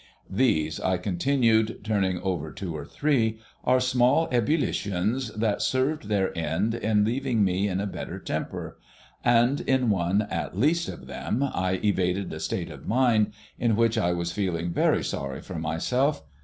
"These," I continued, turning over two or three, "are small ebullitions that served their end in leaving me in a better temper; and in one at least of them I evaded a state of mind in which I was feeling very sorry for myself.